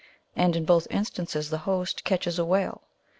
And in, both instances the host catches a whale.